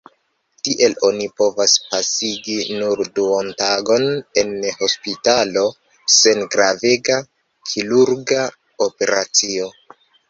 Tiel oni povas pasigi nur duontagon en hospitalo, sen gravega kirurga operacio.